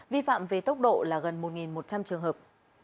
vi phạm về tốc độ là gần một một trăm linh trường hợp